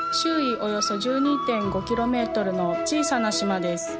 およそ１２．５キロメートルの小さな島です。